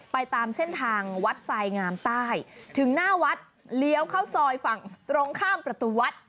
ตามเส้นทางวัดทรายงามใต้ถึงหน้าวัดเลี้ยวเข้าซอยฝั่งตรงข้ามประตูวัด